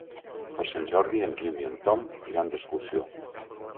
Per Sant Jordi en Guim i en Tom iran d'excursió.